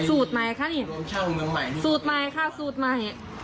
สูตรใหม่คะนี่สูตรใหม่ค่ะสูตรใหม่